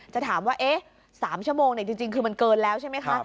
จะถามว่า๓ชั่วโมงจริงคือมันเกินแล้วใช่ไหมคะ